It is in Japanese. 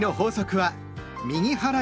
はい。